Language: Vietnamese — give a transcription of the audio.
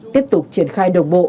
tiếp tục triển khai đồng bộ